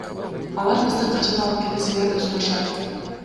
Алар бизди качан алып кетесиңер деп сурашат.